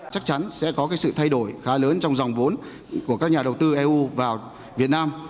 chắc chắn sẽ có sự thay đổi khá lớn trong dòng vốn của các nhà đầu tư eu vào việt nam